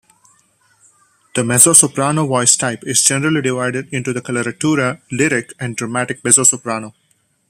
The mezzo-soprano voice type is generally divided into the coloratura, lyric, and dramatic mezzo-soprano.